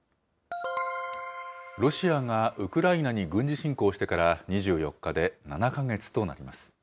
ロシアがウクライナに軍事侵攻してから２４日で７か月となります。